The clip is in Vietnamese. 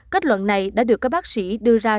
kết luận này đã được các bác sĩ đưa ra